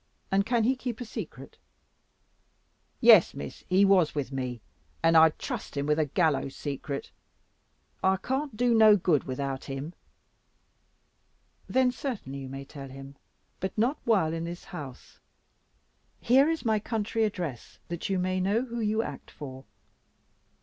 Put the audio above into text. And can he keep a secret?" "Yes, Miss, he was with me, and I'd trust him with a gallows secret. I can't do no good without him." "Then, certainly you may tell him; but not while in this house. Here is my country address, that you may know who you act for.